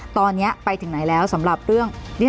ตอนนี้ไปถึงไหนแล้วสำหรับเรื่อง